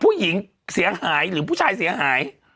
ผู้หญิงหรือผู้ชายเสียหาย